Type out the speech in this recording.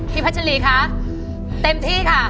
พี่พระชะลีคะเต็มที่ค่ะ